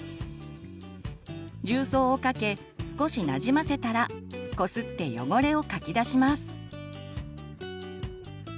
重曹をかけ少しなじませたらこすって汚れをかき出します。